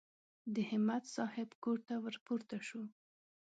د همت صاحب کور ته ور پورته شوو.